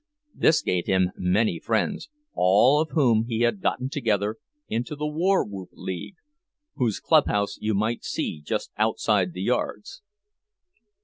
This gave him many friends—all of whom he had gotten together into the "War Whoop League," whose clubhouse you might see just outside of the yards.